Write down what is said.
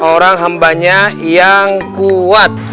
orang hambanya yang kuat